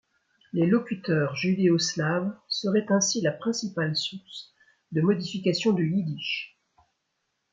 Les locuteurs judéo-slaves seraient ainsi la principale source de modification du yiddish.